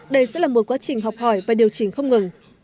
đây sẽ là một quá trình học hỏi và điều chỉnh không ngừng